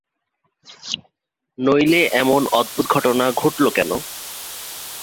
নইলে এমন অদ্ভুত ঘটনা ঘটল কেন?